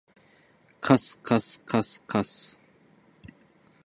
かすかすかすかす